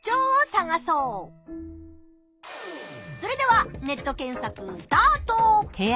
それではネット検索スタート！